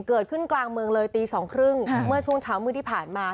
เกิดขึ้นกลางเมืองเลยตีสองครึ่งเมื่อช่วงเช้ามืดที่ผ่านมา